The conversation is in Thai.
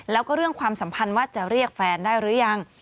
แล้วก็เรื่องความสัมพันธ์ว่าจะเรียกแฟนได้หรือยัง